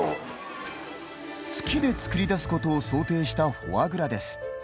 月で作り出すことを想定したフォアグラです。